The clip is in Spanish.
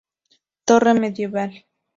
Torre medieval.